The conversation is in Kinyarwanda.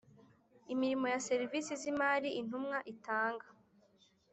imirimo ya serivisi z imari Intumwa itanga